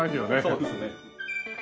そうですね。